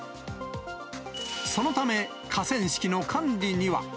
そのため、河川敷の管理には。